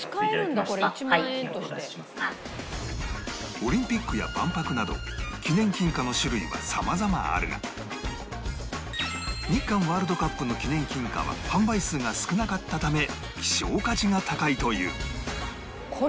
オリンピックや万博など記念金貨の種類はさまざまあるが日韓ワールドカップの記念金貨は販売数が少なかったため希少価値が高いという